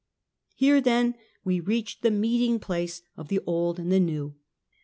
Here then we reach the meeting place of the old and the new.